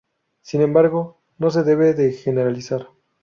Sin embargo, no se debe generalizar.